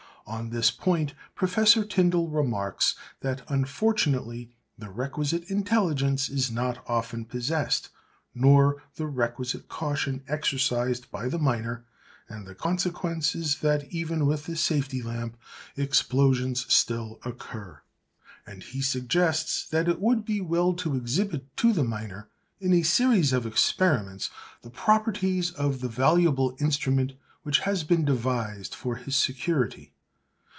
On this point Professor Tyndall remarks that unfortunately the requisite intelligence is not often possessed nor the requisite caution exercised by the miner, 'and the consequence is that even with the safety lamp, explosions still occur.' And he suggests that it would be well to exhibit to the miner in a series of experiments the properties of the valuable instrument which has been devised for his security.